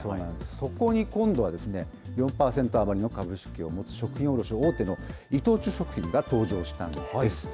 そこに今度は４％余りの株式を持つ、食品卸大手の伊藤忠食品が登場したんです。